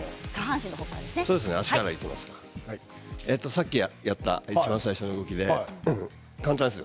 さっきやったいちばん下の動きで簡単です。